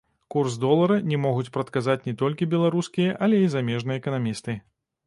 Курс долара не могуць прадказаць не толькі беларускія, але і замежныя эканамісты.